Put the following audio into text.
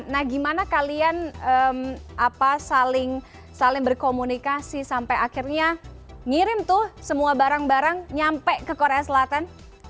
nah gimana kalian saling berkomunikasi sampai akhirnya ngirim tuh semua barang barang nyampe ke korea selatan